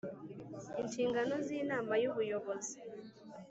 Inshingano z Inama y Ubuyobozi